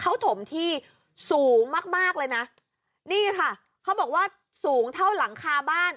เขาถมที่สูงมากมากเลยนะนี่ค่ะเขาบอกว่าสูงเท่าหลังคาบ้าน